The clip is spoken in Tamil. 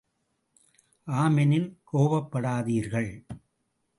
ஆம் எனில் கோபப்படாதீர்கள்!